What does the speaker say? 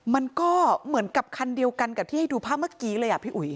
มันก็เหมือนกับคันเดียวกันกับที่ให้ดูภาพเมื่อกี้เลยอ่ะพี่อุ๋ย